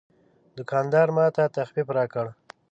دوکاندار ماته تخفیف راکړ.